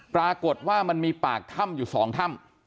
ปรากฏว่ามันมีปากถ้ำอยู่๒ถ้ำ